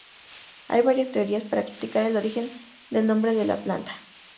Hay varias teorías para explicar el origen del nombre de la planta.